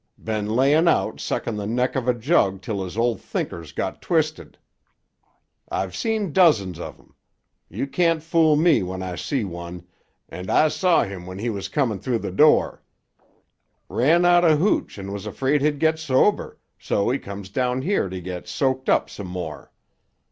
Been layin' out sucking the neck of a jug till his ol' thinker's got twisted. "I've seen dozens of 'em. You can't fool me when I see one, and I saw him when he was comin' through the door. Ran out o' hooch and was afraid he'd get sober, so he comes down here to get soaked up some more.